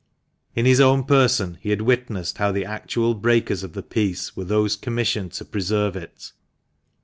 In his own person he had witnessed how the actual breakers of the peace were those commissioned to preserve it.